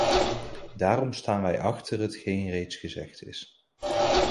Daarom staan wij achter hetgeen reeds gezegd is.